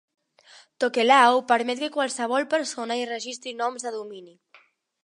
Tokelau permet que qualsevol persona hi registri noms de domini.